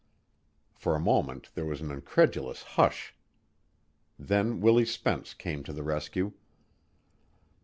For a moment there was an incredulous hush. Then Willie Spence came to the rescue.